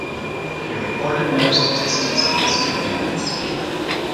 He recorded no statistics in his two games.